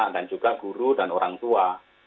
juga guru dan orang tua